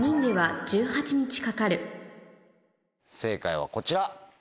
正解はこちら。